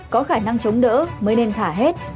có khả năng chống đỡ mới nên thả hết